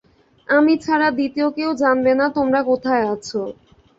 আমি ছাড়া দ্বিতীয় কেউ জানবে না তোমরা কোথায় আছ।